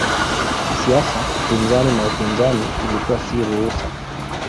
Kisiasa upinzani na upinzani ilikuwa si ruhusa.